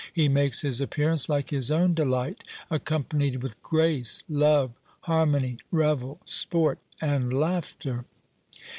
He makes his appearance, like his own Delight, 'accompanied with Grace, Love, Harmony, Revel, Sport, and Laughter.'